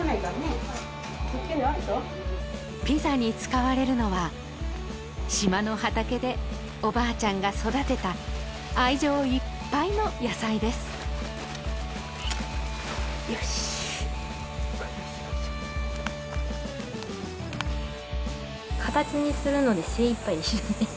ピザに使われるのは島の畑でおばあちゃんが育てた愛情いっぱいの野菜ですよしっ形にするので精いっぱいでしたね